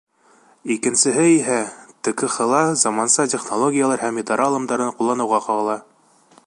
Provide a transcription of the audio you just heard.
Икенсеһе иһә ТКХ-ла заманса технологиялар һәм идара алымдарын ҡулланыуға ҡағыла.